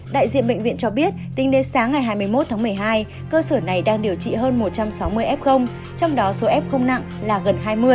đại diện bệnh viện cho biết tính đến sáng ngày hai mươi một tháng một mươi hai cơ sở này đang điều trị hơn một trăm sáu mươi f trong đó số f không nặng là gần hai mươi